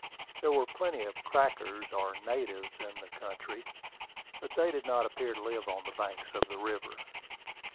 There were plenty of "crackers," or natives, in the country; but they did not appear to live on the banks of the river.